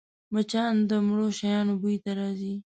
مچان د مړو شیانو بوی ته راځي